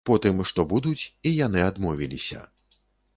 Потым, што будуць, і яны адмовіліся.